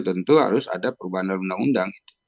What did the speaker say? tentu harus ada perubahan dari undang undang